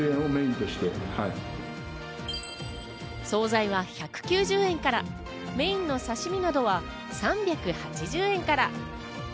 総菜は１９０円からメインの刺身などは３８０円から。